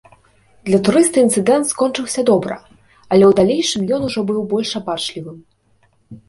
Для турыста інцыдэнт скончыўся добра, але ў далейшым ён ужо быў больш абачлівым.